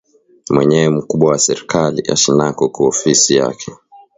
Mwenyewe mukubwa wa serkali ashinako ku ofisi yake